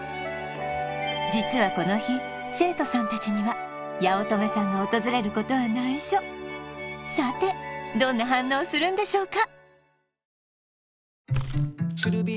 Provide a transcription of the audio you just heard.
実はこの日生徒さん達には八乙女さんが訪れることは内緒さてどんな反応をするんでしょうか？